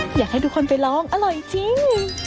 อยากให้ทุกคนไปลองอร่อยจริง